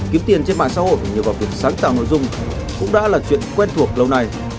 kiếm tiền trên mạng xã hội nhờ vào việc sáng tạo nội dung cũng đã là chuyện quen thuộc lâu nay